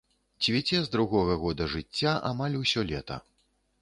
Цвіце з другога года жыцця амаль усё лета.